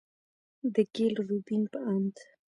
د ګيل روبين په اند،